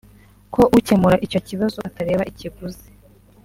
ko ukemura icyo kibazo atareba ikiguzi